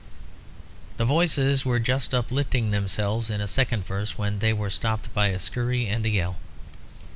The voices were just uplifting themselves in a second verse when they were stopped by a scurry and a yell.